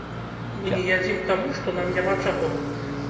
Мы не ядзім таму, што нам няма чаго.